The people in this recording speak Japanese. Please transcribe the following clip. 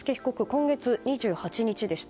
今月２８日でした。